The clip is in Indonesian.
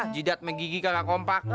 jidat mah gigi kakak kompak